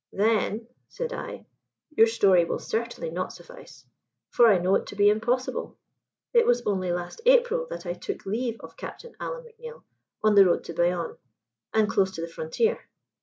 "Then," said I, "your story will certainly not suffice; for I know it to be impossible. It was only last April that I took leave of Captain Alan McNeill on the road to Bayonne and close to the frontier.